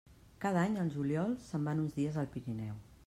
Cada any, al juliol, se'n van uns dies al Pirineu.